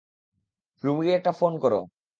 রুমে গিয়ে একটা ফোন করো।